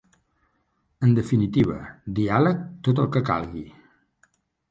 En definitiva, diàleg, tot el que calgui.